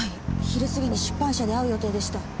昼過ぎに出版社で会う予定でした。